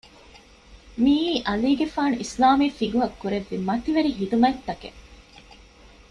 މިއީ ޢަލީގެފާނު އިސްލާމީ ފިޤުހަށް ކުރެއްވި މަތިވެރި ޚިދުމަތްތަކެއް